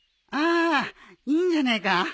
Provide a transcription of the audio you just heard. ああいいんじゃねえか？